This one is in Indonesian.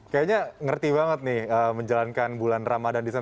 kayaknya ngerti banget nih menjalankan bulan ramadan di sana